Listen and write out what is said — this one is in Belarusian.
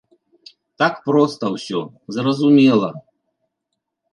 Так проста ўсё, зразумела.